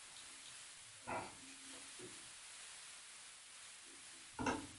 ustedes no habrían vivido